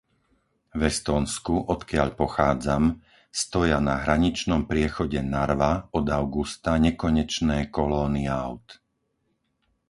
V Estónsku, odkiaľ pochádzam, stoja na hraničnom priechode Narva od augusta nekonečné kolóny áut.